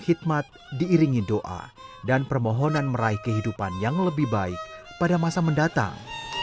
hikmat diiringi doa dan permohonan meraih kehidupan yang lebih baik pada masa mendatang